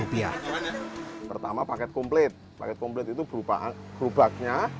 pertama paket komplit paket komplit itu berupa gerobaknya